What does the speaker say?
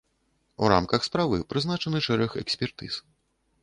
У рамках справы прызначаны шэраг экспертыз.